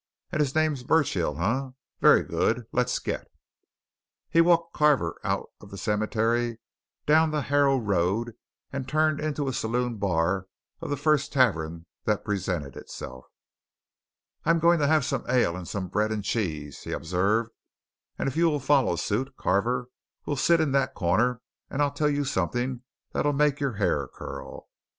And his name's Burchill, eh? Very good. Let's get." He walked Carver out of the cemetery, down the Harrow Road, and turned into the saloon bar of the first tavern that presented itself. "I'm going to have some ale and some bread and cheese," he observed, "and if you'll follow suit, Carver, we'll sit in that corner, and I'll tell you something that'll make your hair curl.